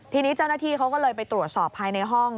ทีนี้เจ้าหน้าที่เขาก็เลยไปตรวจสอบภายในห้อง